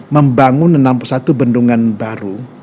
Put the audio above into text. membangun enam puluh satu bendungan baru